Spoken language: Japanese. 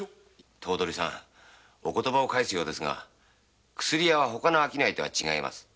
お言葉を返すようですが薬屋はほかの商いとは違います。